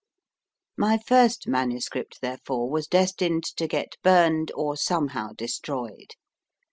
My first MS., therefore, was destined to get burned or somehow destroyed.